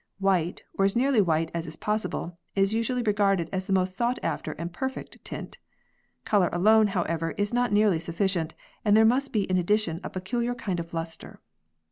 White, or as nearly white as is possible, is usually regarded as the most sought after and perfect tint. Colour alone, however, is not nearly sufficient and there must be in addition a peculiar kind of lustre.